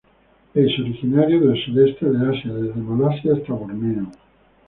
Es originario del sudeste de Asia, desde Malasia hasta Borneo.